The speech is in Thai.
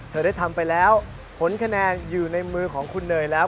เธอได้ทำไปแล้วผลคะแนนอยู่ในมือของคุณเนยแล้ว